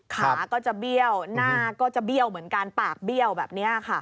ขาก็จะเบี้ยวหน้าก็จะเบี้ยวเหมือนกันปากเบี้ยวแบบนี้ค่ะ